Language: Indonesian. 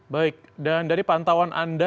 baik dan dari pantauan anda